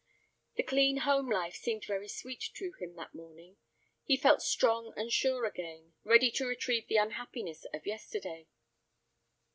The clean home life seemed very sweet to him that morning. He felt strong and sure again, ready to retrieve the unhappiness of yesterday.